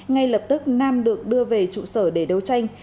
ngay lập tức nam được đưa về trụ sở để đấu tranh